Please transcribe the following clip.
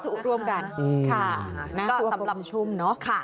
สำหรับคุณผู้ชมเนาะ